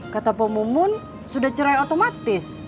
kata pemungun sudah cerai otomatis